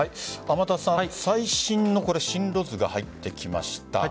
天達さん最新の進路図が入ってきました。